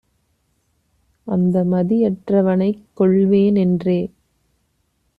அந்தமதி யற்றவனைக் கொல்வேன்என்றே